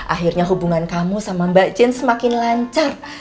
akhirnya hubungan kamu sama mbak jen semakin lancar